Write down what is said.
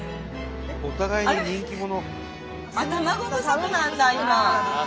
お互いに人気者。